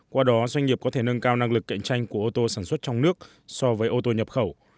qua đó doanh nghiệp có thể nâng cao năng lực cạnh tranh của ô tô sản xuất trong nước so với ô tô nhập khẩu